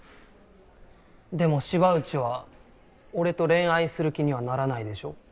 でも芝内は俺と恋愛する気にはならないでしょ？